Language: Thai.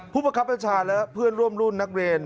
ประคับประชาและเพื่อนร่วมรุ่นนักเรียน